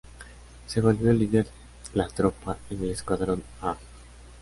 Se volvió líder la tropa en el escuadrón "A".